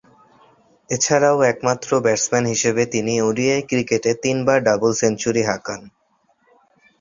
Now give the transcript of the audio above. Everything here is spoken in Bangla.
এছাড়াও একমাত্র ব্যাটসম্যান হিসেবে তিনি ওডিআই ক্রিকেটে তিনবার ডাবল সেঞ্চুরি হাঁকান।